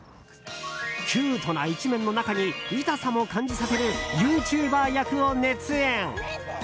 キュートな一面の中に痛さも感じさせるユーチューバー役を熱演。